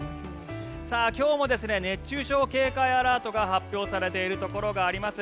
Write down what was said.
今日も熱中症警戒アラートが発表されているところがあります。